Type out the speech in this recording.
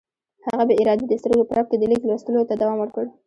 هغه بې ارادې د سترګو په رپ کې د لیک لوستلو ته دوام ورکړ.